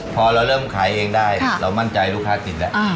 พอเราเริ่มขายเองได้เรามั่นใจลูกค้าติดแล้ว